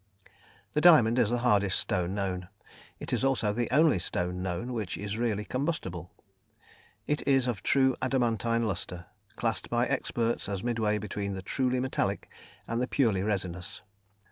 The diamond is the hardest stone known; it is also the only stone known which is really combustible. It is of true adamantine lustre, classed by experts as midway between the truly metallic and the purely resinous.